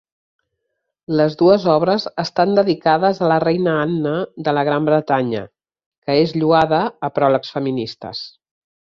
Les dues obres estan dedicades a la reina Anna de la Gran Bretanya, que és lloada a pròlegs feministes.